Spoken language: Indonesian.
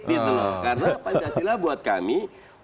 karena pancasila buat kami bukan sekedar bagaimanapun